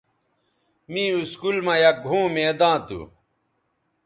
می اسکول مہ یک گھؤں میداں تھو